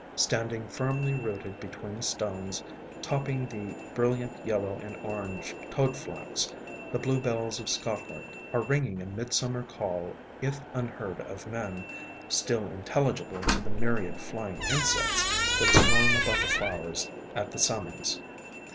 Standing firmly rooted between stones, topping the brilliant yellow and orange Toad Flax, the Blue Bells of Scotland are ringing a midsummer call — if unheard of men, still intelligible to the myriad flying insects that swarm about the flowers at the summons.